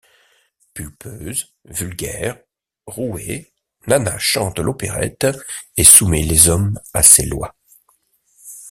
Pulpeuse, vulgaire, rouée, Nana chante l'opérette et soumet les hommes à ses lois.